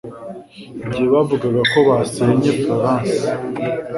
igihe bavugaga ko basenye Florence